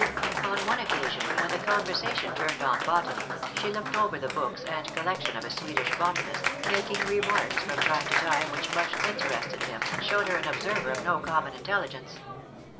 On one occasion, when the conversation turned on botany, she looked over the books and collection of a Swedish botanist, making remarks from time to time which much interested him, and showed her an observer of no common intelligence.